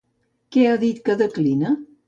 Què ha dit que declina?